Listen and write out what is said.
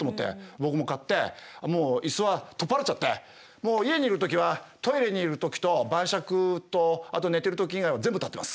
僕も買ってもう椅子は取っ払っちゃってもう家にいる時はトイレにいる時と晩酌とあと寝てる時以外は全部立ってます。